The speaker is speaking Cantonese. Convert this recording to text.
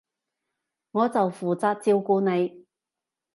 我就負責照顧你